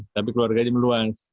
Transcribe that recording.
tapi keluarganya meluas